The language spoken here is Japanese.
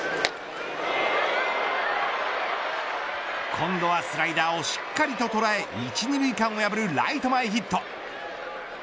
今度はスライダーをしっかりと捉え１、２塁間を破るライト前ヒット。